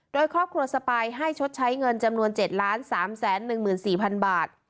โดยครอบครัวสปายให้ชดใช้เงินจำนวน๗๓๑๔๐๐๐บาท